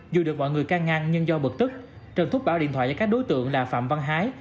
dù được mọi người can ngăn nhưng do bực tức trần thuốc bảo điện thoại cho các đối tượng là phạm văn hái